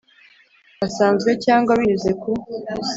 Asanzwe cyangwa binyuze ku